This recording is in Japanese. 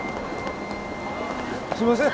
すいません。